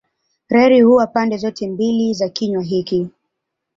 Reli huwa pande zote mbili za kinywa hiki.